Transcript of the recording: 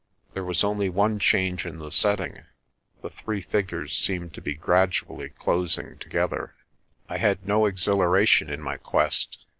There was only one change in the setting j the three figures seemed to be gradually closing together. I had no exhilaration in my quest.